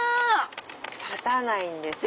立たないんですね。